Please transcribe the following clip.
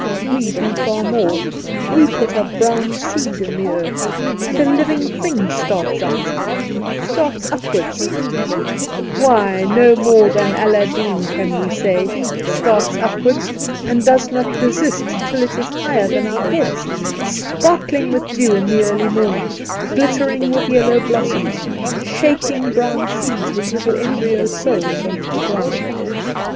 We do far more. We put a brown seed in the earth, and a living thing starts out starts upward why, no more than Alladeen can we say starts upward, and does not desist till it is higher than our heads, sparkling with dew in the early morning, glittering with yellow blossoms, shaking brown seeds with little embryo souls on to the ground.